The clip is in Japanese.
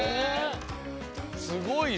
すごいな！